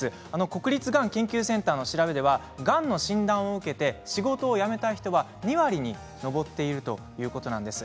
国立がん研究センターの調べではがんの診断を受けて仕事を辞めた人が２割に上っているということなんです。